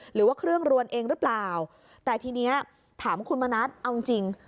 หรือว่าเครื่องรวนเองหรือเปล่าแต่ทีนี้ถามคุณมณัฐเอาจริงจริง